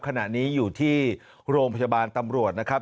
ขณะนี้อยู่ที่โรงพยาบาลตำรวจนะครับ